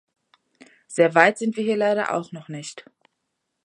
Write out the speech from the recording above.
Sehr weit sind wir hier leider auch noch nicht.